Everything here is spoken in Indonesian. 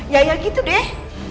ya ya gitu deh